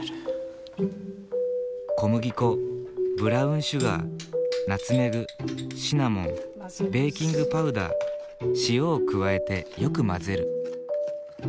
小麦粉ブラウンシュガーナツメグシナモンベーキングパウダー塩を加えてよく混ぜる。